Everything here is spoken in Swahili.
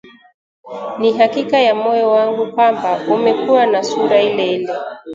ni hakika ya moyo wangu kwamba umekuwa na sura ileile